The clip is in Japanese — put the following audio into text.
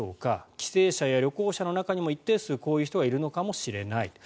帰省者や旅行者の中にも一定数こういう人がいるのかもしれない。